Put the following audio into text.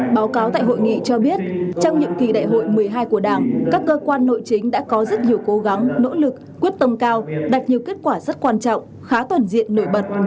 báo cáo tại hội nghị cho biết trong nhiệm kỳ đại hội một mươi hai của đảng các cơ quan nội chính đã có rất nhiều cố gắng nỗ lực quyết tâm cao đạt nhiều kết quả rất quan trọng khá toàn diện nổi bật